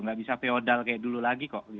nggak bisa feodal kayak dulu lagi kok